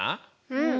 うん。